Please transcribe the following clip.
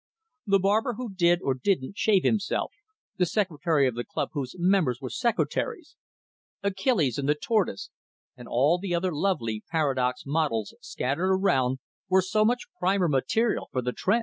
The barber who did, or didn't, shave himself, the secretary of the club whose members were secretaries, Achilles and the tortoise, and all the other lovely paradox models scattered around were so much primer material for the Tr'en.